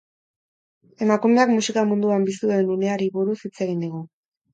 Emakumeak musika munduan bizi duen uneari buruz hitz egin dugu.